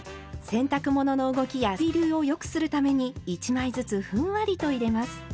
洗濯物の動きや水流をよくするために１枚ずつふんわりと入れます。